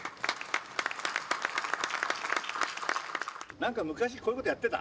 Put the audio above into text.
何か昔こういうことやってた。